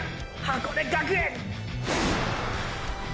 箱根学園！！